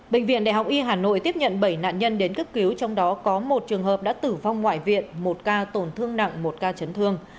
bệnh viện đại học y hà nội tiếp nhận bảy nạn nhân đến cấp cứu trong đó có một trường hợp đã tử vong ngoại viện một ca tổn thương nặng một ca chấn thương